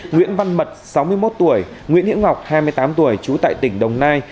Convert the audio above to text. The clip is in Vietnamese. nguyễn văn mật sáu mươi một tuổi nguyễn hiễn ngọc hai mươi tám tuổi chú tại tỉnh đồng nai